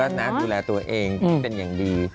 ทุกคนก็นะดูแลตัวเองเป็นอย่างดี